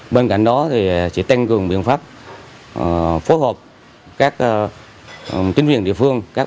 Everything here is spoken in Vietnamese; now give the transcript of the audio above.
bên cạnh đó thì sẽ tăng cường biện pháp phối hợp các chính viên địa phương